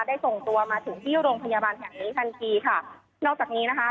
ส่งตัวมาถึงที่โรงพยาบาลแห่งนี้ทันทีค่ะนอกจากนี้นะคะ